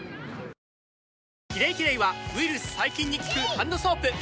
「キレイキレイ」はウイルス・細菌に効くハンドソープ！